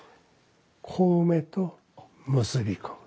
小梅と結び昆布。